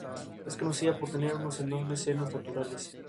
Se utilizó masivamente en la construcción de Constantinopla.